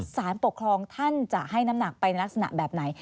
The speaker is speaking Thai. สารปกครองท่านจะให้น้ำหนักไปในลักษณะแบบไหน